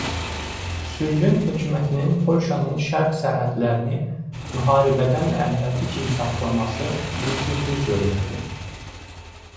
Sürgün hökümətinin Polşanın şərq sərhədlərini müharibədən əvvəlki kimi saxlaması mümkünsüz görünürdü.